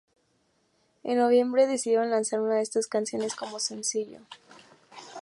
En noviembre decidieron lanzar una de estas canciones como sencillo.